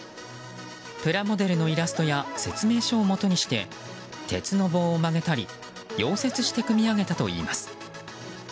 プラモデルのイラストや説明書をもとにして鉄の棒を曲げたり溶接して組み上げたといいます。